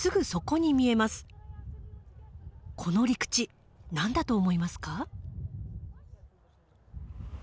この陸地何だと思いますか？